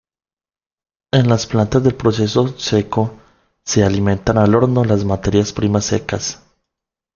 En las plantas del proceso "seco", se alimentan al horno las materias primas secas.